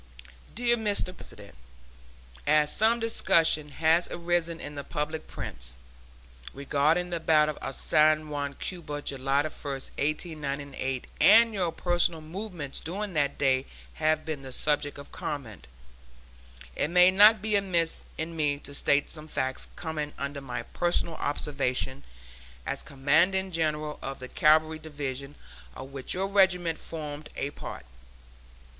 DEAR MR. PRESIDENT: As some discussion has arisen in the public prints regarding the battle of San Juan, Cuba, July 1, 1898, and your personal movements during that day have been the subject of comment, it may not be amiss in me to state some facts coming under my personal observation as Commanding General of the Cavalry Division of which your regiment formed a part.